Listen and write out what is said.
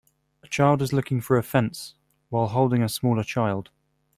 A child is looking through a fence, while holding a smaller child.